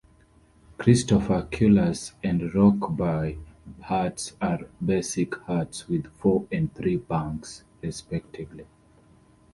Christopher Cullers and Rokeby huts are basic huts with four and three bunks, respectively.